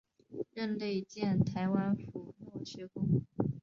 任内建台湾府儒学宫。